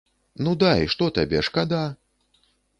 Ну дай, што табе, шкада?